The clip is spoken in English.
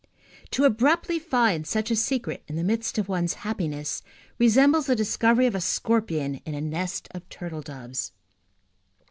To abruptly find such a secret in the midst of one's happiness resembles the discovery of a scorpion in a nest of turtledoves.